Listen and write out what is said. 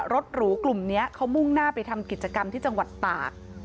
หรูกลุ่มนี้เขามุ่งหน้าไปทำกิจกรรมที่จังหวัดตาก